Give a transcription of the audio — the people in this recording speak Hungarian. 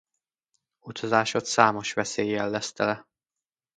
Utazásod számos veszéllyel lesz tele.